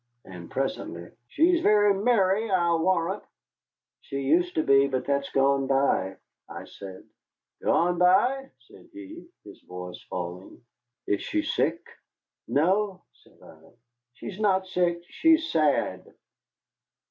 And presently, "She's very merry, I'll warrant." "She used to be, but that's gone by," I said. "Gone by!" said he, his voice falling, "is she sick?" "No," said I, "she's not sick, she's sad."